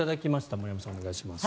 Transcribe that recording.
森山さん、お願いします。